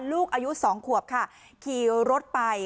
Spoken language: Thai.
ลูกอายุ๒ขวบค่ะขี่รถไป